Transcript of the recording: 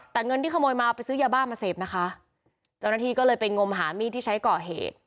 แต่เงินที่ขโมยมาเอาไปซื้อยาบ้ามาเสพนะคะเจ้าหน้าที่ก็เลยไปงมหามีดที่ใช้ก่อเหตุ